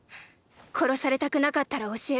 殺されたくなかったら教えろ。